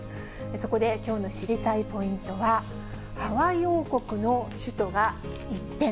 そこで、きょうの知りたいポイントは、ハワイ王国の首都が一変。